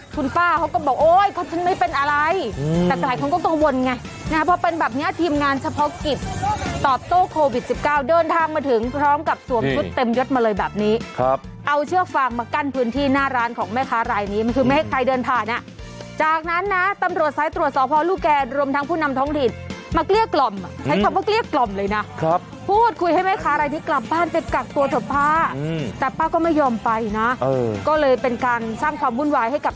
สวมชุดเต็มยศมาเลยแบบนี้ครับเอาเชือกฟางมากั้นพื้นที่หน้าร้านของแม่ค้ารายนี้มันคือไม่ให้ใครเดินผ่านอ่ะจากนั้นนะตำรวจสายตรวจสอบพอลูกแกรมรมทั้งผู้นำท้องถิ่นมาเกลี้ยกกล่อมอ่ะใช้คำว่าเกลี้ยกกล่อมเลยน่ะครับพูดคุยให้แม่ค้ารายนี้กลับบ้านเป็นกักตัวสภาพอืมแต่ป้าก็ไม่ยอม